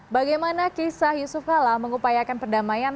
bagaimana kisah yusuf kala mengupayakan perdamaian